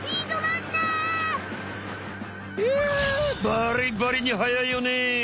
バリバリに速いよね！